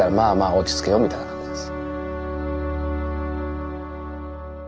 落ち着けよみたいな感じです。